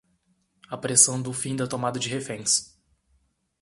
Apressando o fim da tomada de reféns